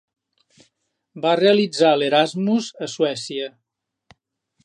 Va realitzar l'Erasmus a Suècia.